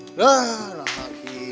sudah yang selesai saja